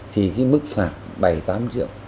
thì mức phạt bảy tám triệu